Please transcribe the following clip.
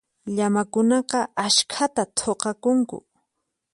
Llamakunaqa askhata thuqakunku.